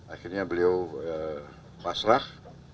akhirnya beliau khwasrah